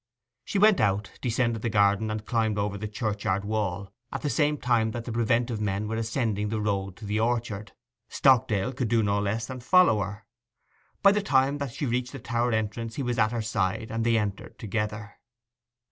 She went out, descended the garden, and climbed over the churchyard wall at the same time that the preventive men were ascending the road to the orchard. Stockdale could do no less than follow her. By the time that she reached the tower entrance he was at her side, and they entered together.